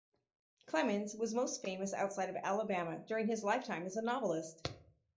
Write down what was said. Clemens was most famous outside of Alabama during his lifetime as a novelist.